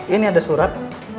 ini ada surat